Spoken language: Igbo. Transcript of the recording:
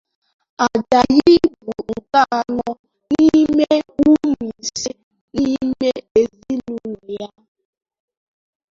Ajayi bu nke ano n’ime umu ise n’ime ezinulo ya.